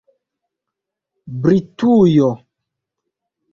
britujo